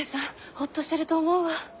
ホッとしてると思うわ。